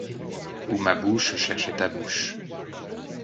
Où ma bouche cherchait ta bouche